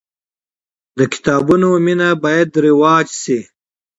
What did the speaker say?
د کتابونو مینه باید رواج سي.